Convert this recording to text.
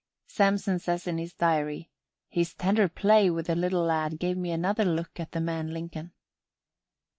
Samson says in his diary: "His tender play with the little lad gave me another look at the man Lincoln."